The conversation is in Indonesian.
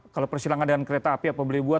kalau persilangan dengan kereta api apa boleh buat